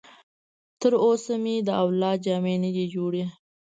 تر اوسه مې د اولاد جامې نه دي جوړې.